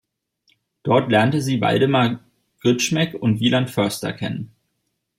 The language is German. Dort lernte sie Waldemar Grzimek und Wieland Förster kennen.